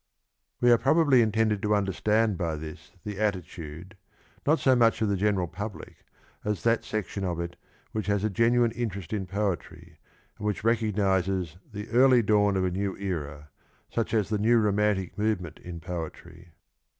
We are probably intended to understand by this the attitude, not so much of the general public, as of that section of it which has a genuine interest in poetry, and which recognises the early dawn of a new era, such as the 78 gu<'s:«. New Romantic Movement in poetry.